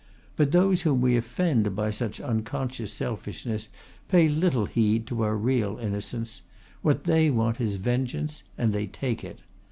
But those whom we offend by such unconscious selfishness pay little heed to our real innocence; what they want is vengeance, and they take it.